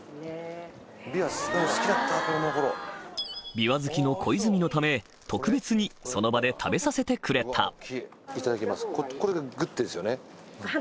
ビワ好きの小泉のため特別にその場で食べさせてくれたこれがグッてですよね。